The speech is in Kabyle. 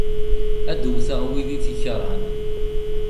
Ad d-wteɣ wid i t-ikerhen.